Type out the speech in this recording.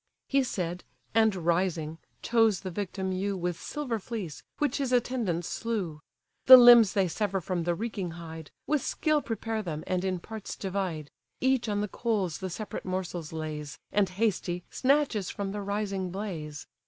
He said, and, rising, chose the victim ewe With silver fleece, which his attendants slew. The limbs they sever from the reeking hide, With skill prepare them, and in parts divide: Each on the coals the separate morsels lays, And, hasty, snatches from the rising blaze.